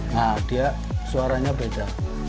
nah dia suaranya beda